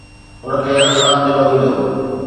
هن کي عذاب ڏنو ويندو